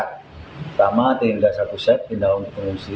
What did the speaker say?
pertama tinggal satu set pindah untuk pengungsi